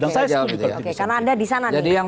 dan saya sebutin itu oke karena ada di sana nih jadi yang